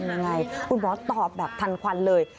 ไม่ได้เลยคุณหมอตอบทันควันเลย